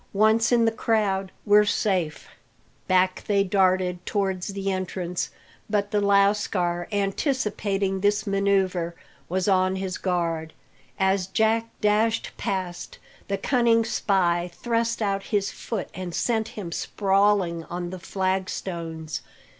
Once in the crowd, we're safe." [Illustration: 0099] Back they darted towards the entrance, but the lascar, anticipating this manouvre, was on his guard. As Jack dashed past, the cunning spy thrust out his foot and sent him sprawling on the flagstones.